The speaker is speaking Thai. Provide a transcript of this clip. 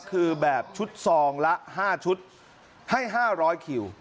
คือแบบชุดซองละ๕ชุดให้๕๐๐คิว